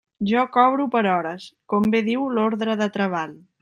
Jo cobro per hores, com bé diu l'ordre de treball.